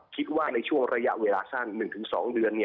คิดว่าในช่วงระยะเวลาสั้น๑๒เดือน